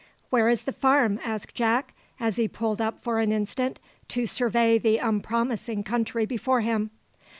"Where is the farm?" asked Jack, as he pulled up for an instant to survey the unpromising country before him.